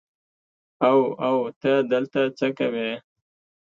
او او ته دلته څه کوې.